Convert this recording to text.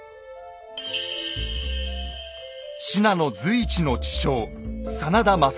信濃随一の知将・真田昌幸。